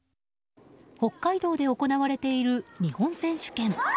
北海道で行われている日本選手権。